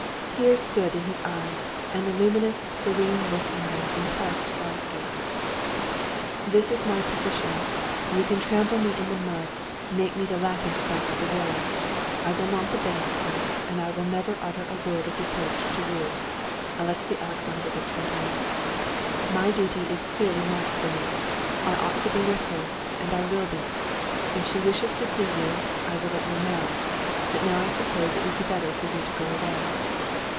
Tears stood in his eyes, and the luminous, serene look in them impressed Vronsky. "This is my position: you can trample me in the mud, make me the laughing stock of the world, I will not abandon her, and I will never utter a word of reproach to you," Alexey Alexandrovitch went on. "My duty is clearly marked for me; I ought to be with her, and I will be. If she wishes to see you, I will let you know, but now I suppose it would be better for you to go away."